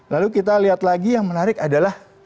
lalu kita lihat lagi yang menarik adalah